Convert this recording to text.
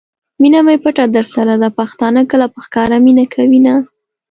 مینه می پټه درسره ده ؛ پښتانه کله په ښکاره مینه کوینه